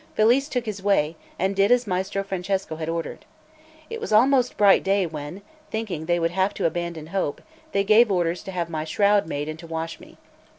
Felice took his way, and did as Maestro Francesco had ordered. It was almost bright day when, thinking they would have to abandon hope, they gave orders to have my shroud made and to wash me.